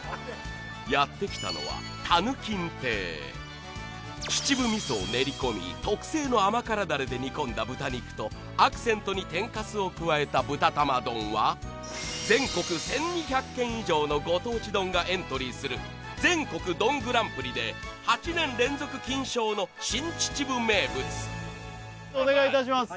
やってきたのはたぬ金亭秩父味噌を練り込みとアクセントに天かすを加えた豚玉丼は全国１２００軒以上のご当地丼がエントリーする全国丼グランプリで８年連続金賞の新秩父名物お願いいたします